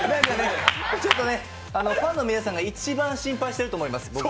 ファンの皆さんが一番心配していると思います。